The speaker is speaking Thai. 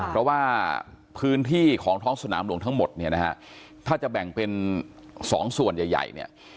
เพราะว่าพื้นที่ของท้องสนามหลวงทั้งหมดเนี่ยนะฮะถ้าจะแบ่งเป็นสองส่วนใหญ่ใหญ่เนี่ย